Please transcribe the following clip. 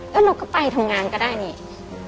มันเราก็ไปทำงานก็ได้นะ